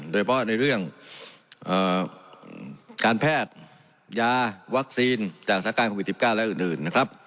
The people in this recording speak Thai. โดยเฉพาะในเรื่องการแพทย์ยาวัคซีนจากสถานการณ์โควิด๑๙และอื่นนะครับ